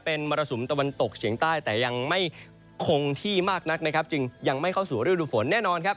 เป็นมรสุมตะวันตกเฉียงใต้แต่ยังไม่คงที่มากนักนะครับจึงยังไม่เข้าสู่ฤดูฝนแน่นอนครับ